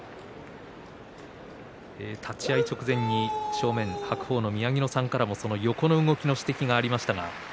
立ち合い直前に宮城野さんからも横の指摘がありました。